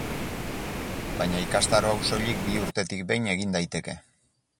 Baina ikastaro hau soilik bi urtetik behin egin daiteke.